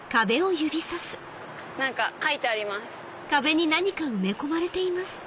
何か書いてあります。